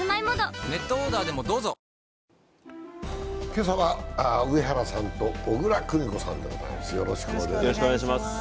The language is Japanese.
今朝は上原さんと小椋久美子さんでございます。